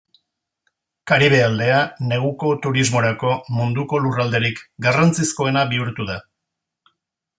Karibe aldea neguko turismorako munduko lurralderik garrantzizkoena bihurtu da.